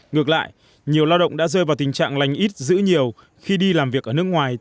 ngược lại nhiều lao động đã rơi vào tình trạng lành ít giữ nhiều khi đi làm việc ở nước ngoài